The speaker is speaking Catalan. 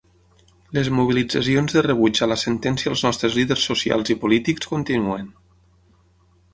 Les mobilitzacions de rebuig a la sentència als nostres líders socials i polítics continuen.